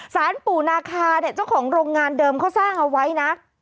สารปู่นาคาเนี่ยเจ้าของโรงงานเดิมเขาสร้างเอาไว้นะ